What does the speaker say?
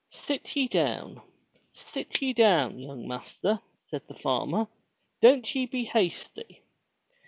"Sit ye down! Sit ye down, young master," said the farmer. "Don't ye be hasty.